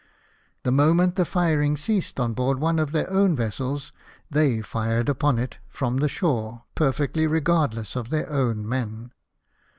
The moment the firing ceased on board one of their own vessels they fired upon it from the shore, perfectly regardless of their own men.